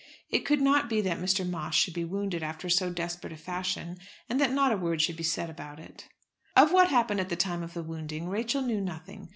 It could not be that Mr. Moss should be wounded after so desperate a fashion and that not a word should be said about it. Of what happened at the time of the wounding Rachel knew nothing.